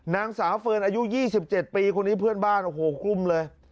นางสาวเฟิร์นอายุ๒๗ปีคนนี้เพื่อนบ้านโอ้โหกลุ้มเลย